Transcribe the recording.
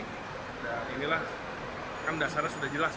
dan inilah kan dasarnya sudah jelas